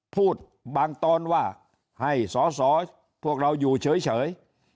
พูดบางตอนว่าให้สอสอพวกเราอยู่เฉย